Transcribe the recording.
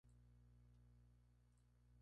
Fue subsecretario de Sanidad, y alcalde de Murcia.